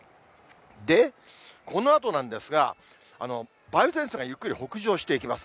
で、このあとなんですが、梅雨前線がゆっくり北上していきます。